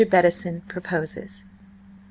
BETTISON PROPOSES MR.